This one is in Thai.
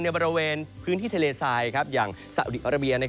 บริเวณพื้นที่ทะเลทรายอย่างสาอุดีอาราเบีย